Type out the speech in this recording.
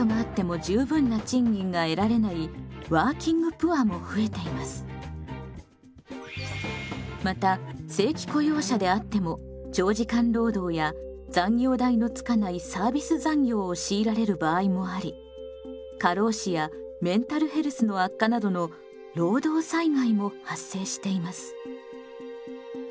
賃金制度も年功序列からまた正規雇用者であっても長時間労働や残業代のつかないサービス残業を強いられる場合もあり過労死やメンタルヘルスの悪化などの労働災害も発生しています。